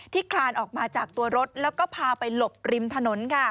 คลานออกมาจากตัวรถแล้วก็พาไปหลบริมถนน